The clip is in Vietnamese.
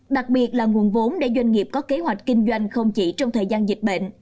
đặc biệt là nguồn vốn để doanh nghiệp có kế hoạch kinh doanh không chỉ trong thời gian dịch bệnh